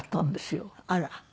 あら。